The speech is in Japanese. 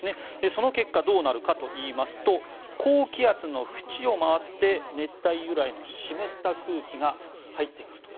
その結果、どうなるかというと高気圧の縁を回って熱帯由来の湿った空気が入ってくると。